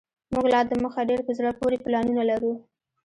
موږ لا دمخه ډیر په زړه پوري پلانونه لرو